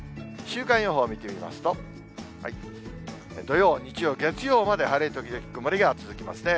週間予報を見てみますと、土曜、日曜、月曜まで晴れ時々曇りが続きますね。